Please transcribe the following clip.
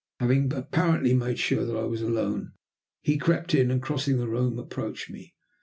Having apparently made sure that I was alone, he crept in, and, crossing the room, approached me.